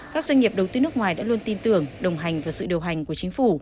các doanh nghiệp đầu tư nước ngoài đã luôn tin tưởng đồng hành và sự điều hành của chính phủ